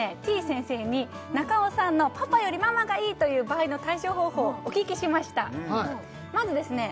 先生に中尾さんのパパよりママがいいという場合の対処方法をお聞きしましたまずですね